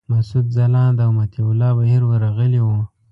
مسعود ځلاند او مطیع الله بهیر ورغلي وو.